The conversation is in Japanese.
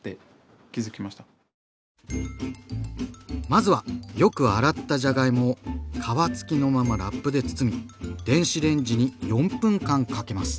まずはよく洗ったじゃがいもを皮付きのままラップで包み電子レンジに４分間かけます。